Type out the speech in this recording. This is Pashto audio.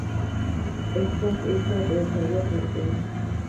احساس انسان ته انسانیت ورکوي.